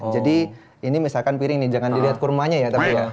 jadi ini misalkan piring nih jangan dilihat kurmanya ya tapi ya